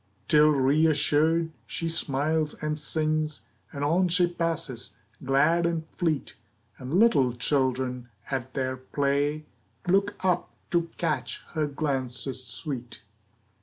Till, reassured, she smiles and sings, And on she passes, glad and fleet, And little children at their play Look up to catch her glances sweet.